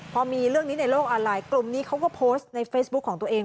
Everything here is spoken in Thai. พอมีเรื่องนี้ในโลกออนไลน์กลุ่มนี้เขาก็โพสต์ในเฟซบุ๊คของตัวเอง